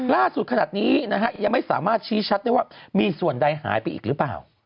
ล่าสุดขนาดนี้นะฮะยังไม่สามารถชี้ชัดได้ว่ามีส่วนใดหายไปอีกหรือเปล่า